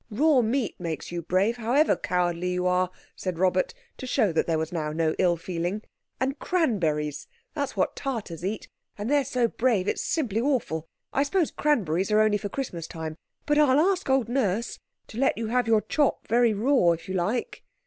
"Raw meat makes you brave, however cowardly you are," said Robert, to show that there was now no ill feeling, "and cranberries—that's what Tartars eat, and they're so brave it's simply awful. I suppose cranberries are only for Christmas time, but I'll ask old Nurse to let you have your chop very raw if you like."